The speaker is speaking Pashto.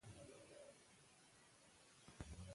د بدن بوی د نظافت او حفظ الصحې پورې تړلی دی.